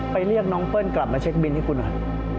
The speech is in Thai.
เรียกน้องเปิ้ลกลับมาเช็คบินให้คุณหน่อย